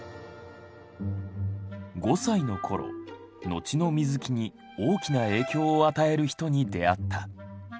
５歳のころ後の水木に大きな影響を与える人に出会った。